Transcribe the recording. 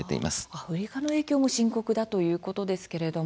アフリカの影響も深刻だということですけれども。